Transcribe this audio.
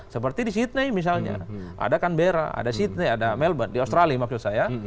seperti di sydney misalnya ada canberra ada sydney ada melbourne di australia maksud saya